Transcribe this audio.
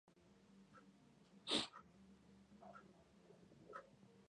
Contrastes debido a la formación de bordes puede ser agradable a la vista.